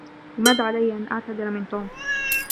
لماذا عليَّ أن أعتذر من توم؟